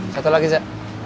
satu lagi riza